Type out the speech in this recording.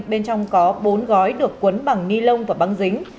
bên trong có bốn gói được quấn bằng ni lông và băng dính